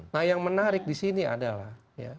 nah yang menarik di sini adalah